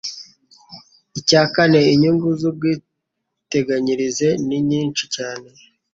Icya kane, inyungu z'ubwiteganyirize ni nyinshi cyane